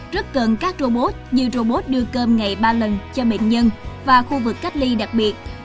rất cần các robot như robot đưa cơm ngày ba lần cho bệnh nhân và khu vực cách ly đặc biệt